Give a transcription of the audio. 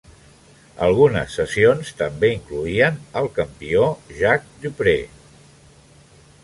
Algunes sessions també incloïen el campió Jack Dupree.